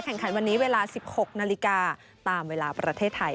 แข่งขันวันนี้เวลา๑๖นาฬิกาตามเวลาประเทศไทย